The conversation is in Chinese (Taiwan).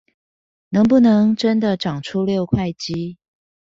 能不能真的長出六塊肌